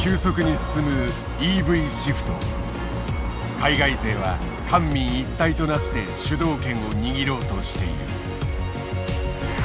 海外勢は官民一体となって主導権を握ろうとしている。